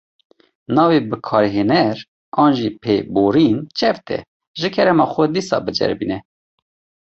Navê bikarhêner an jî pêborîn çewt e, ji kerema xwe dîsa biceribîne.